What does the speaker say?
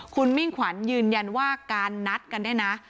คุณมิ่งขวัญยืนยันว่าการนัดกันเนี่ยนะ